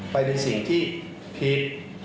ไปในสิ่งที่ผิด